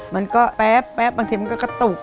มันก็แป๊บบางทีมันก็กระตุก